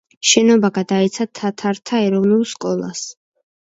შენობა გადაეცა თათართა ეროვნულ სკოლას.